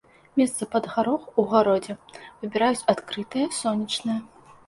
Месца пад гарох у агародзе выбіраюць адкрытае, сонечнае.